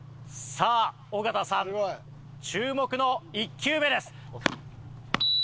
さあ尾形さん注目の１球目です。